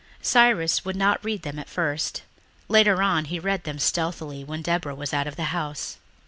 Cyrus would not read them at first; later on he read them stealthily when Deborah was out of the house.